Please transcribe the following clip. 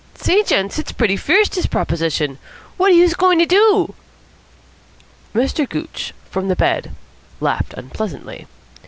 Say, gents, it's pretty fierce, dis proposition. What are youse goin' to do?" Mr. Gooch, from the bed, laughed unpleasantly.